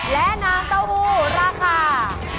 และน้ำเต้าหู้ราคา